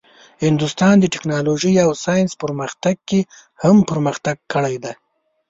هندوستان د ټیکنالوژۍ او ساینسي پرمختګ کې هم پرمختګ کړی دی.